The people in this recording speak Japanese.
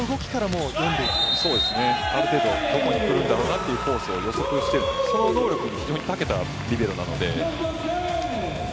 そうですね、ある程度どこに来るんだろうなというコースを予測してる、その能力に非常に長けたリベロなので。